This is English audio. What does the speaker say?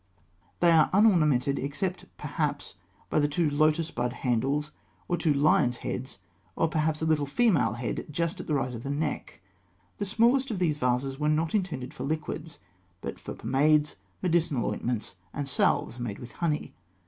] They are unornamented, except perhaps by two lotus bud handles, or two lions' heads, or perhaps a little female head just at the rise of the neck (fig. 218). The smallest of these vases were not intended for liquids, but for pomades, medicinal ointments, and salves made with honey.